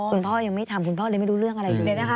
คุณพ่อยังไม่ทำคุณพ่อเลยไม่รู้เรื่องอะไรเลยนะคะ